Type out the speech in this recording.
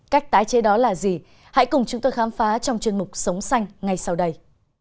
cách tái chế đó là gì hãy cùng chúng tôi khám phá trong chuyên mục sống xanh ngay sau đây